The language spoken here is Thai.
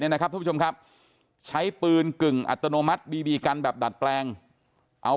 นะครับทุกผู้ชมครับใช้ปืนกึ่งอัตโนมัติบีบีกันแบบดัดแปลงเอา